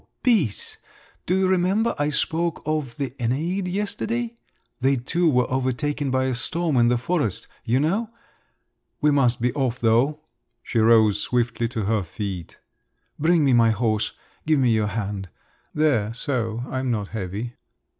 Bis! Do you remember I spoke of the Æneid yesterday? They too were overtaken by a storm in the forest, you know. We must be off, though." She rose swiftly to her feet. "Bring me my horse…. Give me your hand. There, so. I'm not heavy."